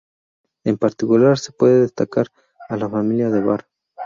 En particular se puede destacar a la familia de Bar.